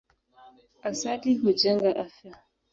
Asali hujenga afya.